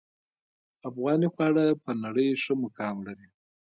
افغاني خواړه په نړۍ ښه مقام لري